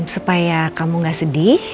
supaya kamu gak sedih